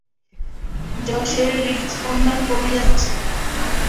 জশের হৃদস্পন্দন কমে যাচ্ছে।